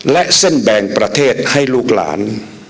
และเส้นแบ่งประเทศให้ลูกหลาน